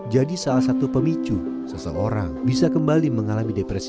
jadi salah satu pemicu seseorang bisa kembali mengalami depresi